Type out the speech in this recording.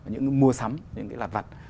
những cái mua sắm những cái đặt vặt